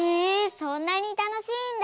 そんなにたのしいんだ。